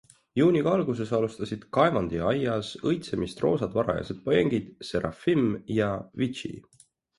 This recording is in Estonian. Juunikuu alguses alustasid Kaevandi Aias õitsemist roosad varased pojengid 'Seraphim' ja 'Vitchi'.